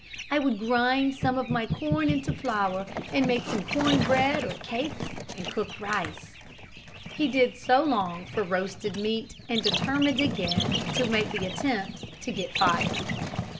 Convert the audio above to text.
I would grind some of my corn into flour and make some corn bread or cakes and cook rice." He did so long for roasted meat and determined again to make the attempt to get fire.